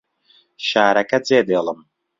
شارەکە جێدێڵم.